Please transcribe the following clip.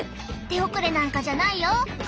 手遅れなんかじゃないよ！